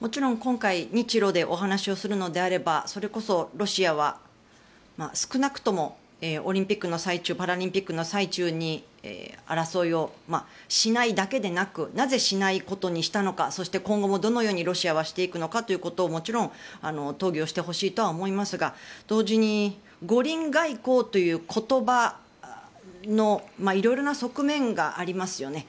もちろん今回日ロでお話をするのであればロシアは少なくとも、オリンピックの最中パラリンピックの最中に争いをしないだけでなくなぜしないことにしたのかそして今後もどのようにロシアはしていくのかということはもちろん討議をしてほしいとは思いますが同時に五輪外交という言葉の色々な側面がありますよね。